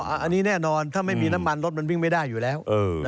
อันนี้แน่นอนถ้าไม่มีน้ำมันรถมันวิ่งไม่ได้อยู่แล้ว